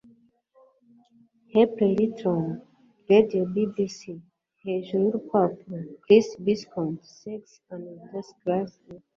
Humphrey Lyttleton, Radiyo BBC hejuru yurupapuro CHRIS BISCOE - sax na alto clarinet.